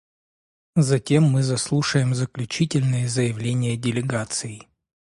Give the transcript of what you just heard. Затем мы заслушаем заключительные заявления делегаций.